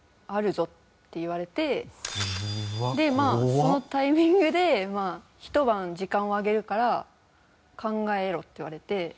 そのタイミングで「ひと晩時間をあげるから考えろ」って言われて。